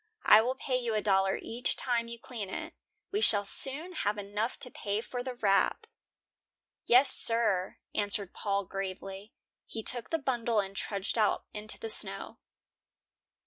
I will pay you a dollar each time you clean it. We shall soon have enough to pay for the wrap." "Yes, sir," answered Paul, gravely. He took the bundle and trudged out into the snow.